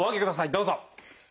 どうぞ。